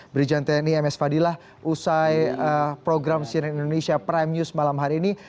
brijanteni ms fadilah usai program cnn indonesia prime news malam hari ini